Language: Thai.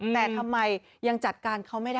แต่ทำไมยังจัดการเขาไม่ได้